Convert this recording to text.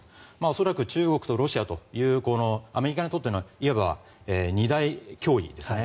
恐らく中国とロシアというアメリカにとってのいわば二大脅威ですね。